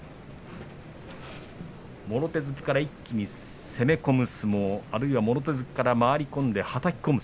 もろ手突きから一気に攻め込む相撲あるいは回り込んではたき込む